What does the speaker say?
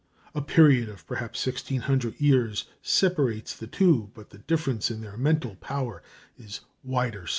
A period of perhaps sixteen hundred years separates the two, but the difference in their mental power is wider still.